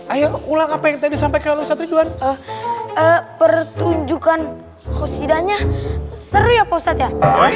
ayo ulang apa yang tadi sampai kalau jadi doang eh eh pertunjukan khusyidahnya seri ya ustadz ya